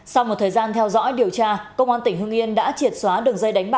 sau một thời gian theo dõi điều tra công an tỉnh hưng yên đã triệt xóa đường dây đánh bạc